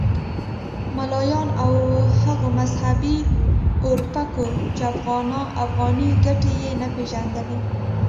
ملایانو او هغو مذهبي اورپکو چې افغاني ګټې یې نه پېژندلې.